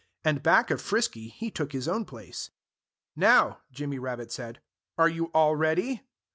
And back of Frisky he took his own place. "Now!" Jimmy Rabbit said, "are you all ready?"